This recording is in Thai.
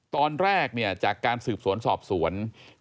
ตอนแรกจากการสืบสวนสอบสวน